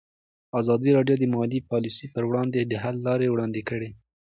ازادي راډیو د مالي پالیسي پر وړاندې د حل لارې وړاندې کړي.